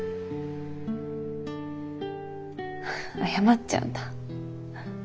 謝っちゃうんだ。